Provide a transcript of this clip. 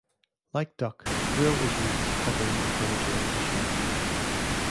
Like duck, drill is used as a covering for furniture and cushions.